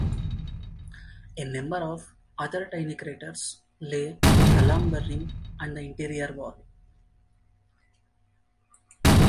A number of other tiny craters lay along the rim and the interior wall.